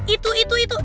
itu itu itu